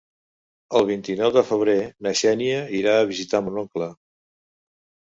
El vint-i-nou de febrer na Xènia irà a visitar mon oncle.